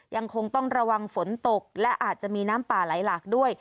ยังคงต้องระวังฝนตกและอาจจะมีน้ำป่าไหลหลากด้วย